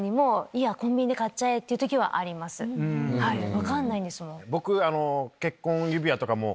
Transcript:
分かんないんですもん。